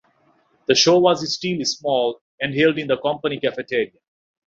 The show was very small and held in the company cafeteria.